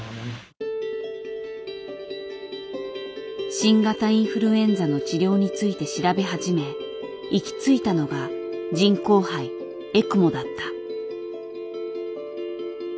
新型インフルエンザの治療について調べ始め行き着いたのが人工肺エクモだった。